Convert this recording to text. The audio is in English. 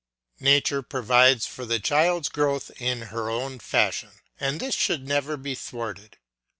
Nature provides for the child's growth in her own fashion, and this should never be thwarted.